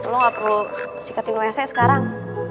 lo gak perlu cekatin wc sekarang